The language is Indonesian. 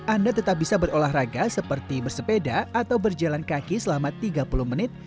anda tetap bisa berolahraga seperti bersepeda atau berjalan kaki selama tiga puluh menit